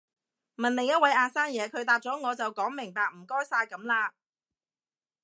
問另一位阿生嘢，佢答咗我就講明白唔該晒噉啦